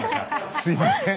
すいません。